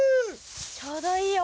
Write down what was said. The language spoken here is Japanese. ちょうどいいよ。